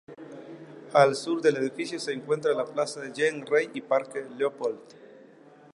Al sur del edificio se encuentra la Plaza Jean Rey y Parque Leopold.